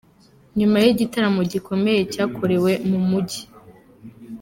Nyuma yigitaramo gikomeye cyakorewe mu mujyi